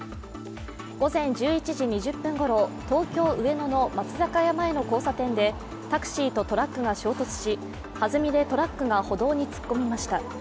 午前１１時２０分ごろ東京・上野の松坂屋前の交差点でタクシーとトラックが衝突し弾みでトラックが歩道に突っ込みました。